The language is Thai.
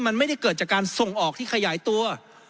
มันไม่ได้เกิดจากการส่งออกที่ขยายตัว